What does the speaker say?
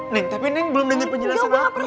neng tapi neng belum denger penjelasan aku